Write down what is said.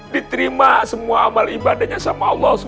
diterima semua amal ibadahnya sama allah